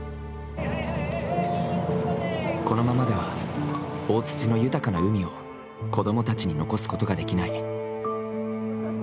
このままでは、大槌の豊かな海を子供たちに残すことができない。